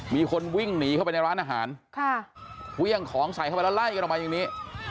มีคนวิ่งหนีเข้าไปในร้านอาหารเครื่องของใส่เข้าไปแล้วไล่กันออกมาอย่างนี้